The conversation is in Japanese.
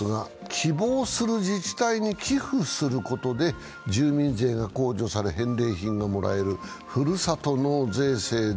希望する自治体に寄付することが住民税が控除され返礼品がもらえるふるさと納税制度